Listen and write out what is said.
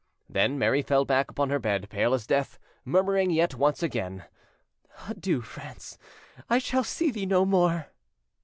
Then Mary fell back upon her bed, pale as death, murmuring yet once again—"Adieu, France! I shall see thee no more."